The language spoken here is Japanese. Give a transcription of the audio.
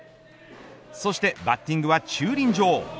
そしてバッティングは駐輪場。